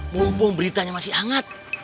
wumpung beritanya masih hangat